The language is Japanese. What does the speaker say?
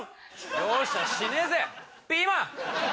容赦しねえぜピーマン！